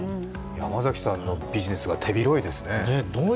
山崎さんのビジネスは手広いですね。